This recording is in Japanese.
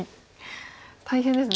大変ですね。